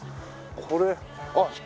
これあっ！